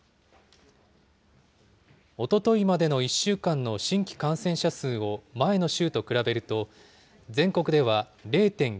おとといまでの１週間の新規感染者数を前の週と比べると、全国では０．９１倍。